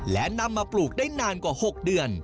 และนำมาปลูกได้นานกว่า๖เดือน